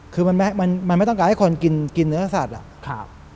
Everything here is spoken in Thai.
คือมันไม่ต้องการให้คนกินเนื้อสัตว์อ่ะ